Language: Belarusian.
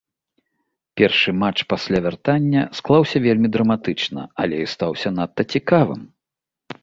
Першы матч пасля вяртання склаўся вельмі драматычна, але і стаўся надта цікавым.